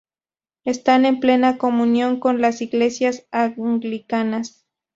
Están en plena comunión con las Iglesias anglicanas.